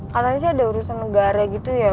katanya sih ada urusan negara gitu ya